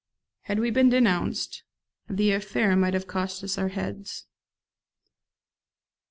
Had we been denounced, the affair might have cost us our heads.